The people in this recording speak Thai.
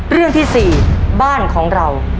เรื่องที่๔บ้านของเรา